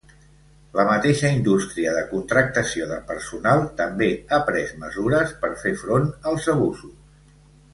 La mateixa indústria de contractació de personal també ha pres mesures per fer front als abusos.